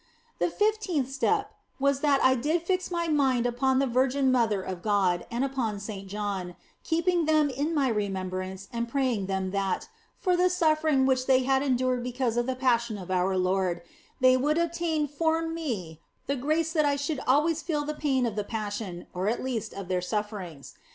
The fifteenth step was that I did fix my mind upon the Virgin Mother of God and upon Saint John, keeping them in my remembrance and praying them that (for the suffer ing which they had endured because of the Passion of our Lord) they would obtain for me the grace that I should always feel the pain of the Passion or at least of their sufferings.